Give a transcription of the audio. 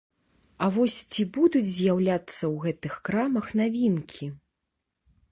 А вось ці будуць з'яўляцца ў гэтых крамах навінкі?